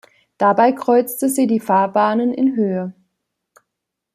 Dabei kreuzte sie die Fahrbahnen in Höhe.